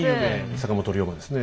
坂本龍馬ですね。